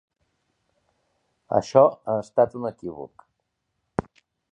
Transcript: Això ha estat un equivoc.